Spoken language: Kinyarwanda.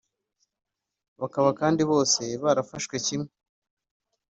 bakaba kandi bose barafashwe kimwe